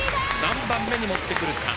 何番目に持ってくるか？